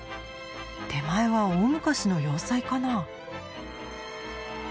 手前は大昔の要塞かな？